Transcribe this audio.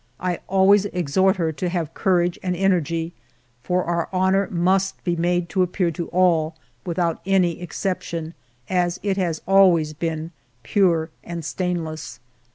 I always exhort her to have courage and energy ; for our honor must be made to appear to all, without any exception, as it has always been, pure and stainless.